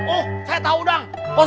oh saya tau dang